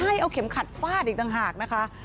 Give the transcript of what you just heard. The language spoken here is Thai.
ใช่เอาเข็มขัดฟาดอีกต่างหากนะคะ